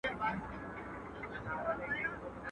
یا بیګانه وه لېوني خیالونه.